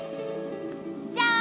じゃん！